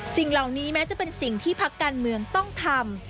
สิ่งเหล่านี้แม้จะเป็นสิ่งที่พักการเมืองต้องทำ